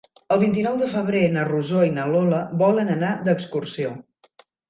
El vint-i-nou de febrer na Rosó i na Lola volen anar d'excursió.